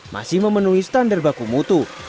masih memenuhi standar baku mutu